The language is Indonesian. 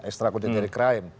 ekstrakuden dari crime